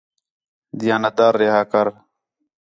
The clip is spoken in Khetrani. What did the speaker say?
دیانت دار رِیہا کر